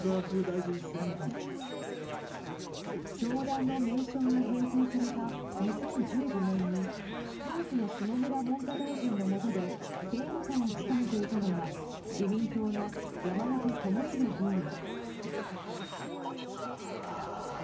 教団の名称が変更された２０１５年に当時の下村文科大臣のもとで政務官を務めていたのが自民党の山本朋広議員。